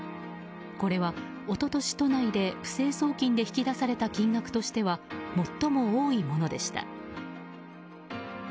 これは一昨年都内で不正送金で引き出された金額としては最も多いものでした。